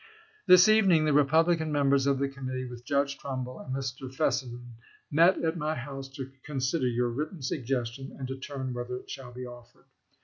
This evening the Republican members of the Committee with Judge Trumbull and Mr. Fessenden met at my house to consider your written suggestion and determine whether it shall be offered.